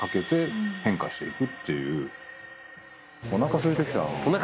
おなかすいてきたな。